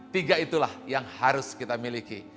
tiga itulah yang harus kita miliki